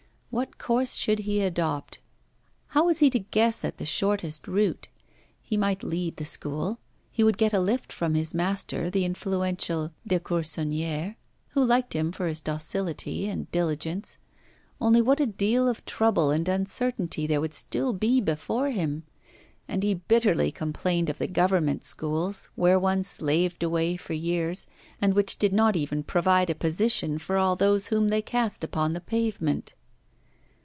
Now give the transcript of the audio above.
What course should he adopt? How was he to guess at the shortest route? He might leave the School; he would get a lift from his master, the influential Dequersonnière, who liked him for his docility and diligence; only what a deal of trouble and uncertainty there would still be before him! And he bitterly complained of the Government schools, where one slaved away for years, and which did not even provide a position for all those whom they cast upon the pavement.